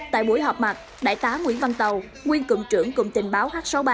tại buổi họp mặt đại tá nguyễn văn tàu nguyên cụm trưởng cùng tình báo h sáu mươi ba